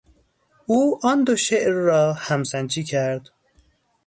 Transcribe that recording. او آن دو شعر را همسنجی کرد.